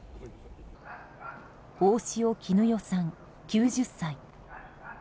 大塩衣與さん、９０歳。